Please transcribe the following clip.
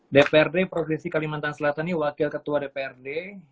dprd provinsi kalimantan selatan ini wakil ketua dprd